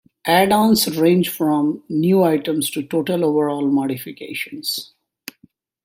Add-ons range from new items to total overhaul modifications.